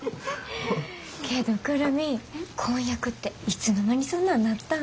けど久留美婚約っていつの間にそんなんなったん？